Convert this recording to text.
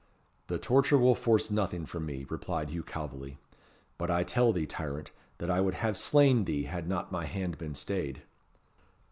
"The torture will force nothing from me," replied Hugh Calveley. "But I tell thee, tyrant, that I would have slain thee, had not my hand been stayed."